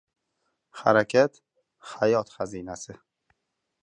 Harakat — hayot xazinasi.